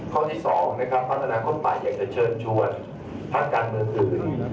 ข้อที่๒นะครับพักอนาคตใหม่อยากจะเชิญชวนภาคการเมืองอื่น